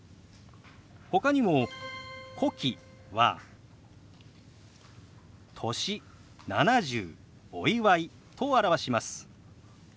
ほかにも「古希」は「歳」「７０」「お祝い」と表します。